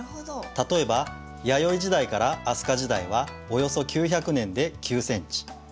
例えば弥生時代から飛鳥時代はおよそ９００年で９センチ。